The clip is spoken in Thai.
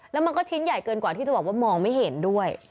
แล้วมันก็ชิ้นใหญ่เกินกว่าที่จะบอกว่ามองไม่เห็นด้วย